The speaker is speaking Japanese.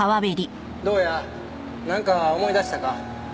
どうやなんか思い出したか？